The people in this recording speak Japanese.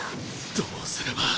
どうすれば。